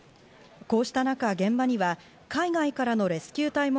こうした中、現場には海外からのレスキュー隊も